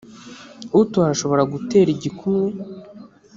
utora ashobora gutera igikumwe